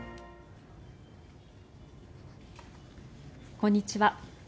こんにちは。